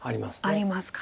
あります。